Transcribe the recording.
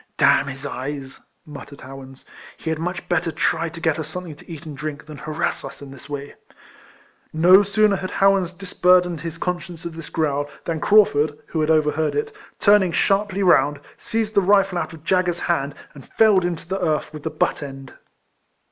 "D — n his eyes!" muttered Howans, "he had much better try to get us something to eat and drink, than harass us in this way." No sooner had Howans disburdened his conscience of this growl, than Craufurd, who had overheard it, turning sharply round, seized tha rifle out of dagger's hand, and felled him to the earth with the butt end.